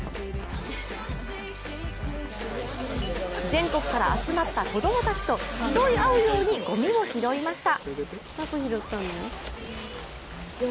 全国から集まった子供たちと競い合うようにごみを拾いました。